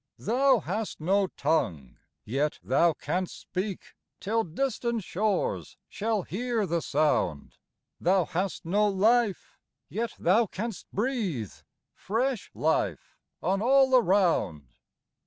Thou hast no tongue, yet thou canst speak, Till distant shores shall hear the sound; Thou hast no life, yet thou canst breathe Fresh life on all around.